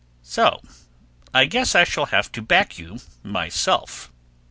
'So I guess I shall have to back you myself.'"